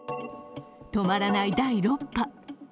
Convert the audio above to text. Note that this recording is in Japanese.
止まらない第６波。